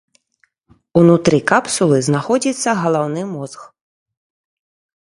Унутры капсулы знаходзіцца галаўны мозг.